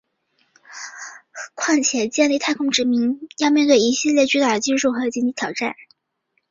况且建立太空殖民要面对一系列巨大的技术和经济挑战。